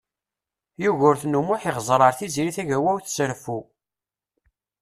Yugurten U Muḥ ixezzeṛ ar Tiziri Tagawawt s reffu.